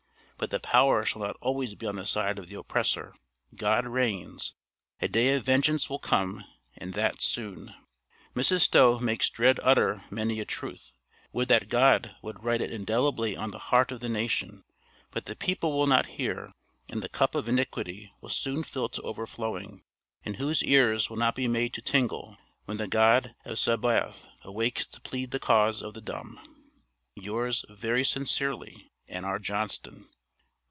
But the power shall not always be on the side of the oppressor. God reigns. A day of vengeance will come, and that soon. Mrs. Stowe makes Dred utter many a truth. Would that God would write it indelibly on the heart of the nation. But the people will not hear, and the cup of iniquity will soon fill to overflowing; and whose ears will not be made to tingle when the God of Sabaoth awakes to plead the cause of the dumb? Yours, very sincerely, N.R. JOHNSTON.